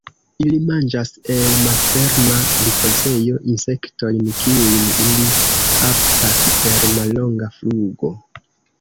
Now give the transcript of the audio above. Ili manĝas el malferma ripozejo insektojn kiujn ili kaptas per mallonga flugo.